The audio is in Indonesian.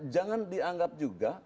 jangan dianggap juga